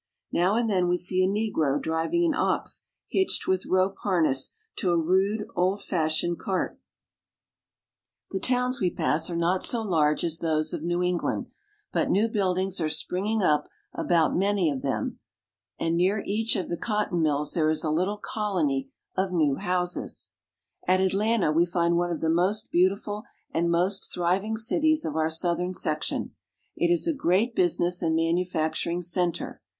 Now and then we see a negro driving an ox hitched with rope harness to a rude, old fashioned cart. CARP. N. AM.— J 120 THE SOUTH. The towns we pass are not so large as those of New England, but new buildings are springing up about many of them, and near each of the cotton mills there is a little colony of new houses. At Atlanta we find one of the most beautiful and most thriving cities of our southern section. It is a great busi ness and manufacturing center.